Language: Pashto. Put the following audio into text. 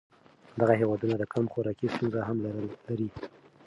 دغه هېوادونه د کم خوراکۍ ستونزه هم لري.